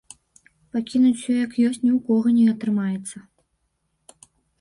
Пакінуць усё як ёсць ні ў кога не атрымаецца.